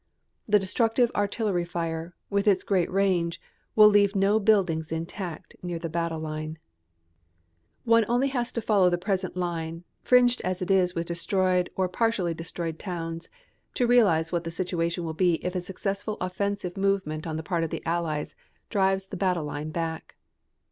The destructive artillery fire, with its great range, will leave no buildings intact near the battle line. One has only to follow the present line, fringed as it is with destroyed or partially destroyed towns, to realise what the situation will be if a successful offensive movement on the part of the Allies drives the battle line back.